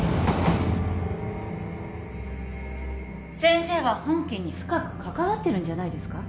先生は本件に深く関わってるんじゃないですか？